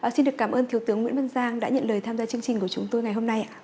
xin được cảm ơn thiếu tướng nguyễn văn giang đã nhận lời tham gia chương trình của chúng tôi ngày hôm nay